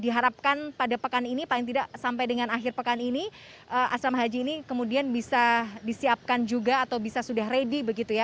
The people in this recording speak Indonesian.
diharapkan pada pekan ini paling tidak sampai dengan akhir pekan ini asrama haji ini kemudian bisa disiapkan juga atau bisa sudah ready begitu ya